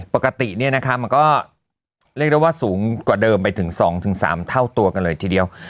ปกติมันก็เรียกได้ว่าสูงกว่าเดิมไปถึง๒๓เท่าตัวกันเลยทีเดียว